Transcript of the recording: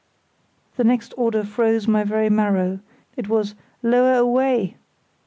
The next order froze my very marrow; it was "lower away".